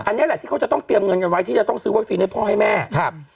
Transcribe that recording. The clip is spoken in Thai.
อันนี้แหละที่เขาจะต้องเตรียมเงินกันไว้ที่จะต้องซื้อวัคซีนให้พ่อให้แม่ครับ